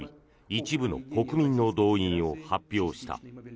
一部の国民の動員を発表した。